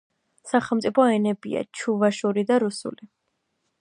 სახელმწიფო ენებია ჩუვაშური და რუსული.